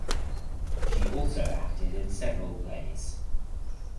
She also acted in several plays.